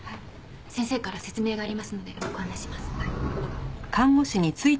先生から説明がありますのでご案内します。